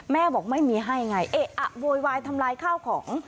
บอกไม่มีให้ไงเอ๊ะอะโวยวายทำลายข้าวของ